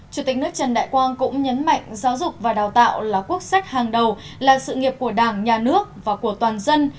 chủ tịch nước trần đại quang cũng nhấn mạnh giáo dục và đào tạo là quốc sách hàng đầu là sự nghiệp của đảng nhà nước và của toàn dân